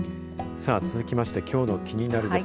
さあ、続きましてきょうのキニナル！です